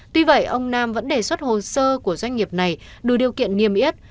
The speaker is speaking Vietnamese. tuy vậy ông nam vẫn đề xuất hồ sơ của doanh nghiệp này đủ điều kiện niêm yết